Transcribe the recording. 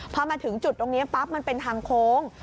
พอมาถึงจุดตรงนี้ปั๊บมันเป็นทางโค้ง